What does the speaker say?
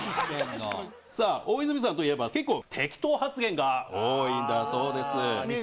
さあ大泉さんといえば結構適当発言が多いんだそうです。